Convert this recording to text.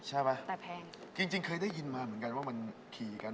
ใช่ไหมแต่แพงจริงจริงเคยได้ยินมาเหมือนกันว่ามันขี่กัน